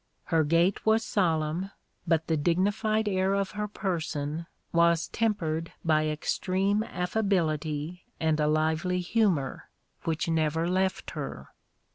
Her gait was solemn, but the dignified air of her person was tempered by extreme affability and a lively humour, which never left her.